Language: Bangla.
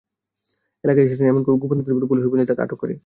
এলাকায় এসেছেন এমন গোপন তথ্যের ভিত্তিতে পুলিশ অভিযান চালিয়ে তাঁকে আটক করে।